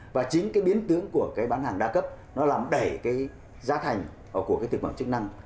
và chính cái biến tướng của cái bán hàng đa cấp nó làm đẩy cái giá thành của cái thực phẩm chức năng nó lên cao hơn